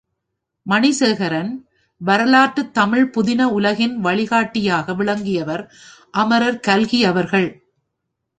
மணிசேகரன், வரலாற்றுத் தமிழ் புதின உலகின் வழிகாட்டியாக விளங்கியவர் அமரர் கல்கி அவர்கள்.